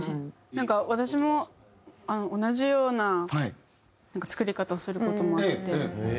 なんか私も同じような作り方をする事もあって。